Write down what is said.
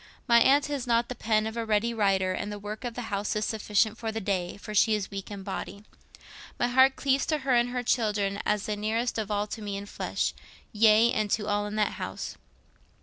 My aunt has not the pen of a ready writer, and the work of the house is sufficient for the day, for she is weak in body. My heart cleaves to her and her children as the nearest of all to me in the flesh—yea, and to all in that house.